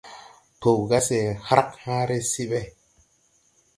Pow ga se hrag hããre se ɓɛ.